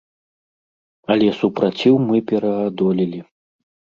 Але супраціў мы пераадолелі.